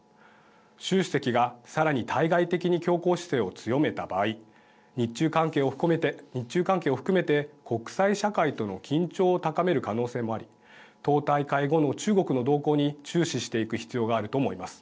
習主席が、さらに対外的に強硬姿勢を強めた場合日中関係を含めて国際社会との緊張を高める可能性もあり党大会後の中国の動向に注視していく必要があると思います。